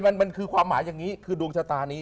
มันคือความหมายอย่างนี้คือดวงชะตานี้